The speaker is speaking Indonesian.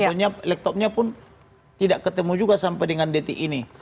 laptopnya pun tidak ketemu juga sampai dengan dt ini